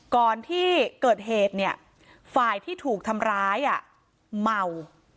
ก่อนที่เกิดเหตุเนี่ยฝ่ายที่ถูกทำร้ายเมา